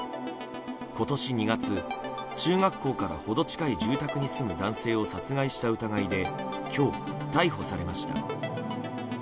今年２月、中学校から程近い住宅に住む男性を殺害した疑いで今日、逮捕されました。